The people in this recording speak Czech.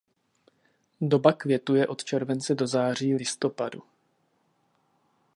Doba květu je od července do září listopadu.